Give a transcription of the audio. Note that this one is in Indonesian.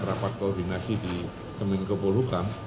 rapat koordinasi di kementerian kepulauan hukum